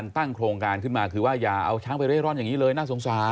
ตั้งโครงการขึ้นมาคือว่าอย่าเอาช้างไปเร่ร่อนอย่างนี้เลยน่าสงสาร